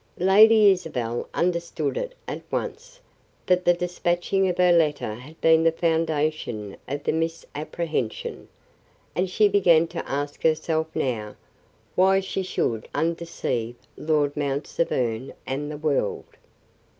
Lady Isabel understood it at once; that the dispatching of her letter had been the foundation of the misapprehension; and she began to ask herself now, why she should undeceive Lord Mount Severn and the world.